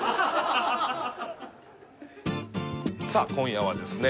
さあ今夜はですね